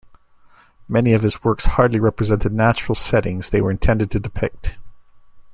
Many of his works hardly represent the natural settings they were intended to depict.